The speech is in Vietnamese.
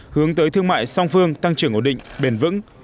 hướng tới thương mại song phương tăng trưởng ổn định bền vững